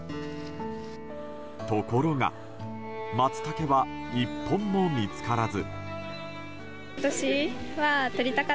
ところがマツタケは１本も見つからず。